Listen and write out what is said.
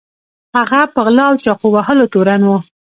هغه په غلا او چاقو وهلو تورن و.